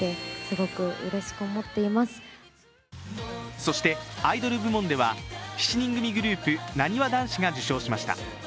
そしてアイドル部門では７人組グループ、なにわ男子が受賞しました。